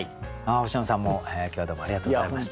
星野さんも今日はどうもありがとうございました。